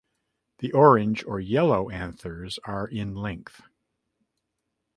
The orange or yellow anthers are in length.